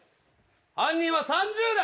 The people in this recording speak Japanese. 犯人は３０代。